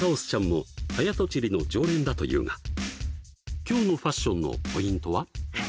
もはやとちりの常連だというが今日のファッションのポイントは？